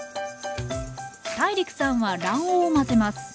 ＴＡＩＲＩＫさんは卵黄を混ぜます。